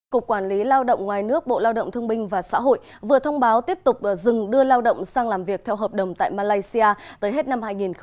cục quản lý lao động ngoài nước bộ lao động thương binh và xã hội vừa thông báo tiếp tục dừng đưa lao động sang làm việc theo hợp đồng tại malaysia tới hết năm hai nghìn hai mươi